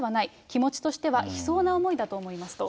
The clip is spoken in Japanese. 気持ちとしては悲壮な思いだと思いますと。